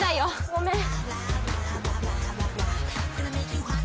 ごめん